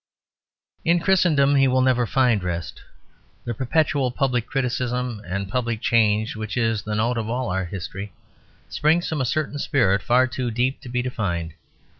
In Christendom he will never find rest. The perpetual public criticism and public change which is the note of all our history springs from a certain spirit far too deep to be defined.